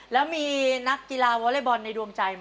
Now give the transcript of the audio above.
แล้วมีนักกีฬาวอเล็กบอลในดวงใจไหม